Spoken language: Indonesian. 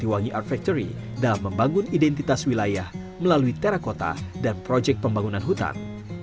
sebagai pemilik arief factory dalam membangun identitas wilayah melalui terakota dan proyek pembangunan hutan